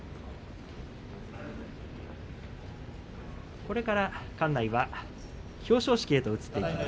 これから館内は表彰式へと移っていきます。